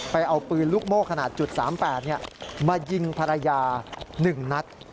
เอาปืนลูกโม่ขนาด๓๘มายิงภรรยา๑นัด